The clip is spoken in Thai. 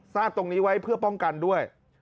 ตรงนี้ไว้เพื่อป้องกันด้วย